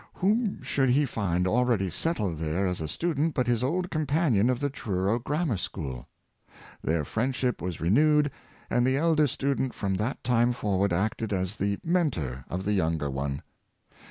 Whom should he find already settled there as a student but his old champion of the Truro Gram mar School? Their friendship was renewed; and the elder student from that time forward acted as the Men 126 Dr, Palefs College Life, tor of the younger one.